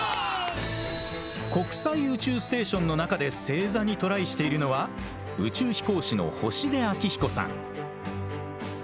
国際宇宙ステーションの中で正座にトライしているのは宇宙飛行士の星出彰彦さん。